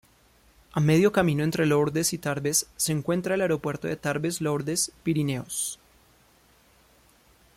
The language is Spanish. A medio camino entre Lourdes y Tarbes se encuentra el Aeropuerto de Tarbes-Lourdes-Pirineos.